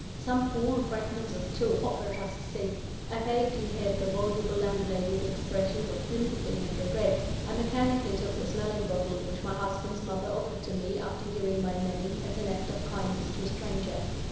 Some fallen fragments of chalk offered us a seat. I vaguely heard the voluble landlady's expressions of sympathy and regret; I mechanically took the smelling bottle which my husband's mother offered to me, after hearing my name, as an act of kindness to a stranger.